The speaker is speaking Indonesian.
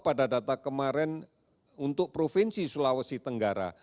pada data kemarin untuk provinsi sulawesi tenggara